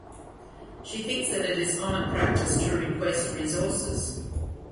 She thinks that it is common practice to request resources.